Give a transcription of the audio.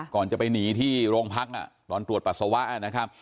ก่อนจะไปหนีที่โรงพักตอนตรวจปัสสาวะนะครับ